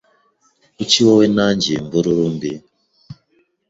Kuki wowe na njye iyi mvururu mbi?